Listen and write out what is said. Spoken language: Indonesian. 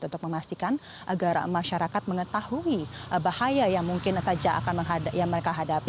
untuk memastikan agar masyarakat mengetahui bahaya yang mungkin saja yang mereka hadapi